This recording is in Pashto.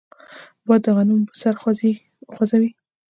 باد د غنمو پسر خوځوي